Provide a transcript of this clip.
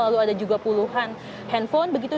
lalu ada juga puluhan handphone begitu